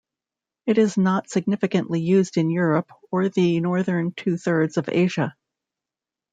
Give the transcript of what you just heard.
It is not significantly used in Europe or the northern two thirds of Asia.